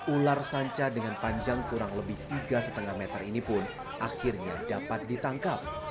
ular sanca dengan panjang kurang lebih tiga lima meter ini pun akhirnya dapat ditangkap